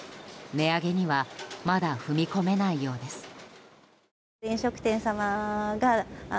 値上げにはまだ踏み込めないようです。